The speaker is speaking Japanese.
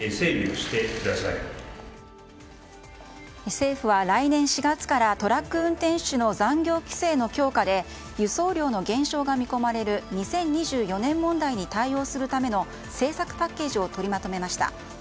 政府は、来年４月からトラック運転手の残業規制の強化で輸送量の減少が見込まれる２０２４年問題に対応するための政策パッケージをとりまとめました。